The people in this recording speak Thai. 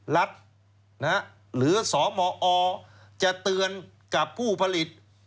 รัฐหรือสมอจะเตือนกับผู้ผลิต